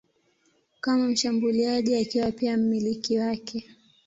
kama mshambuliaji akiwa pia mmiliki wake.